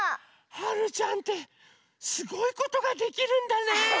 はるちゃんってすごいことができるんだね。